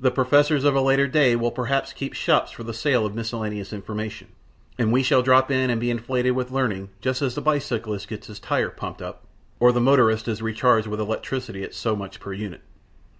The Professors of a later day will perhaps keep shops for the sale of miscellaneous information, and we shall drop in and be inflated with learning just as the bicyclist gets his tire pumped up, or the motorist is recharged with electricity at so much per unit.